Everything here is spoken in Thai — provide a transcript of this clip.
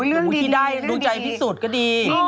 แล้วเรื่องที่ได้ดูใจที่สุดก็ดี